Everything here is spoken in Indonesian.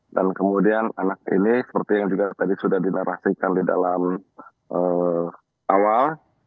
dan kemudian anak ini seperti yang tadi sudah dinarasikan di dalam awal